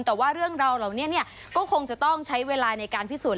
แต่ว่าเรื่องราวเหล่านี้ก็คงจะต้องใช้เวลาในการพิสูจน